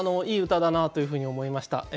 いい歌だなというふうに思いました。